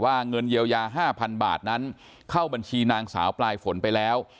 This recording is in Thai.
เงินเยียวยา๕๐๐๐บาทนั้นเข้าบัญชีนางสาวปลายฝนไปแล้ว